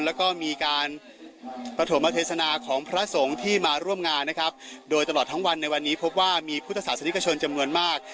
แล้วก็มีการประถมเทศนาของพระสงฆ์ที่มาร่วมงานนะครับโดยตลอดทั้งวันในวันนี้พบว่ามีพุทธศาสนิกชนจำนวนมาก